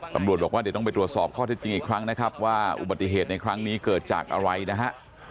ตำรวจบอกว่าเดี๋ยวต้องไปตรวจสอบข้อเท็จจริงอีกครั้งนะครับว่าอุบัติเหตุในครั้งนี้เกิดจากอะไรนะฮะ